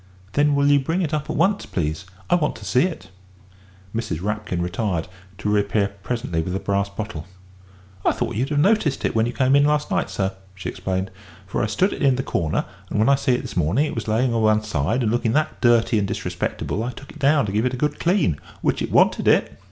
"Then will you bring it up at once, please? I want to see it." Mrs. Rapkin retired, to reappear presently with the brass bottle. "I thought you'd have noticed it when you come in last night, sir," she explained, "for I stood it in the corner, and when I see it this morning it was layin' o' one side and looking that dirty and disrespectable I took it down to give it a good clean, which it wanted it."